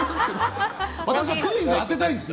私はクイズを当てたいんですよ。